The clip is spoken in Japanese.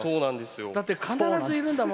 だって、必ずいるんだもん。